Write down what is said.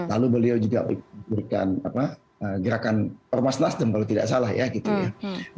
lalu beliau juga berikan gerakan ormas nasdem kalau tidak salah ya gitu ya